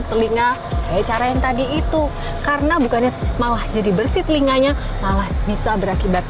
telinga kayak cara yang tadi itu karena bukannya malah jadi bersih telinganya malah bisa berakibat